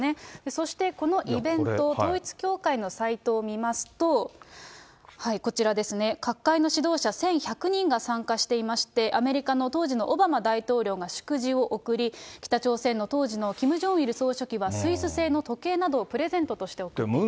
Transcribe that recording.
そして、このイベント、統一教会のサイトを見ますと、こちらですね、各界の指導者１１００人が参加していまして、アメリカの当時のオバマ大統領が祝辞を送り、北朝鮮の当時のキム・ジョンイル総書記はスイス製の時計などをプレゼントとして贈っています。